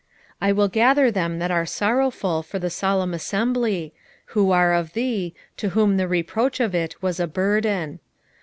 3:18 I will gather them that are sorrowful for the solemn assembly, who are of thee, to whom the reproach of it was a burden.